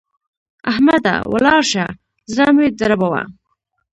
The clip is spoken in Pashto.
احمده! ولاړ شه؛ زړه مه دربوه.